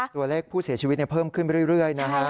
ตัวเลขผู้เสียชีวิตเพิ่มขึ้นไปเรื่อยนะฮะ